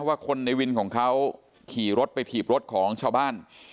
ว่าคนในวินของเขาขี่รถไปถีบรถของชาวบ้าน